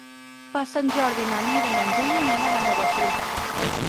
Per Sant Jordi na Neida i en Juli aniran a Benaguasil.